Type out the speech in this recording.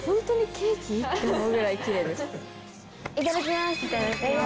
いただきます。